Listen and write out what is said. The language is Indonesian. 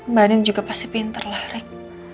mbak anin juga pasti pinter lah rik